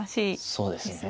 そうですね。